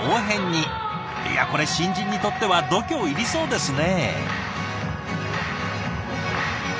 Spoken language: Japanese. いやこれ新人にとっては度胸いりそうですね。